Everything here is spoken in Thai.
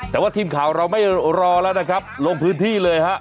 แต่ว่าทีมข่าวเราไม่รอแล้วนะครับลงพื้นที่เลยฮะ